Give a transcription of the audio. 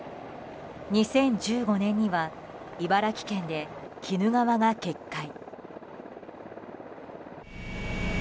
２０１５年には茨城県で鬼怒川が決壊。